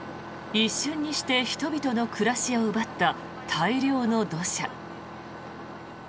一瞬にして人々の暮らしを奪った大量の土砂。